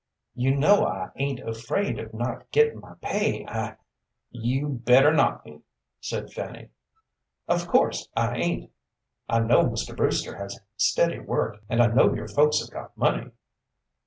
"You know I ain't afraid of not gettin' my pay, I " "You'd better not be," said Fanny. "Of course I ain't. I know Mr. Brewster has steady work, and I know your folks have got money."